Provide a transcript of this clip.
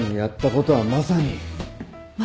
まさに？